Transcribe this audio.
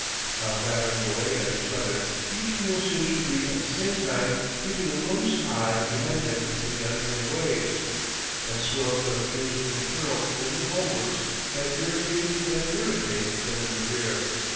While battering away at each other, each mule seems to be at the same time keeping a loose eye behind him for the oncoming waves and swells that occasionally curl over the bulwarks and irrigate and irritate them in the rear.